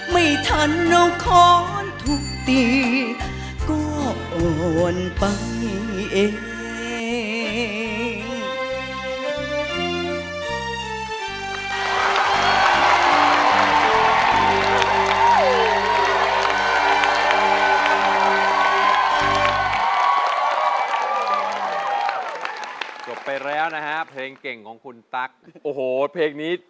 ไม่ทันเอาข้อนทุกตี